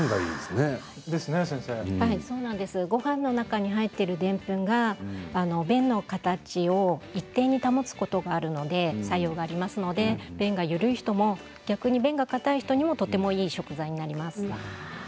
ごはんの中のでんぷんが便の形を一定に保つことがあるのでそういう作用がありますので便が緩い人も逆に便が硬い人にもとてもいい食材になります。